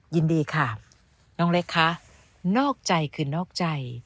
ยินดีค่ะน้องเล็กคะนอกใจคือนอกใจ